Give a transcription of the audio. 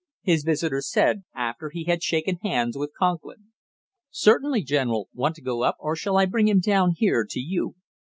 his visitor said, after he had shaken hands with Conklin. "Certainly, General! Want to go up, or shall I bring him down here to you?"